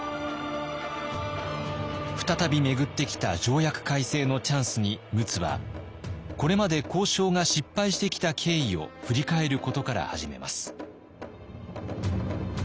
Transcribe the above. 再び巡ってきた条約改正のチャンスに陸奥はこれまで交渉が失敗してきた経緯を振り返ることから始めます。